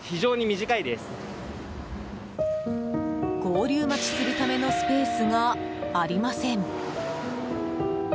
合流待ちするためのスペースがありません。